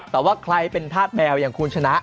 แต่ว่าใครเป็นธาตุแมวอย่างคุณชนะ